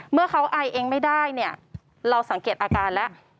เมื่อเขาอายเองไม่ได้เราสังเกตอาการแล้ว